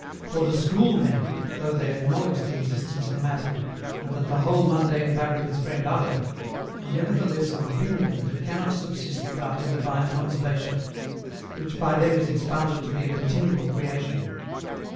For the SCHOOLMEN, though they acknowledge the existence of Matter, and that the whole mundane fabric is framed out of it, are nevertheless of opinion that it cannot subsist without the divine conservation, which by them is expounded to be a continual creation.